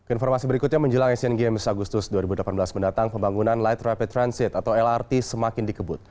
informasi berikutnya menjelang asian games agustus dua ribu delapan belas mendatang pembangunan light rapid transit atau lrt semakin dikebut